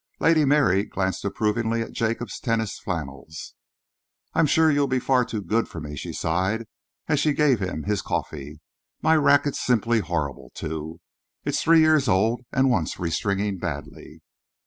Lady Mary glanced approvingly at Jacob's tennis flannels. "I'm sure you'll be far too good for me," she sighed, as she gave him his coffee. "My racquet's simply horrible, too. It's three years old and wants restringing badly."